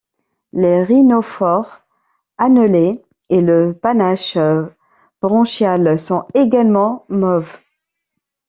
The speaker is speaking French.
Les rhinophores, annelés, et le panache branchial sont également mauves.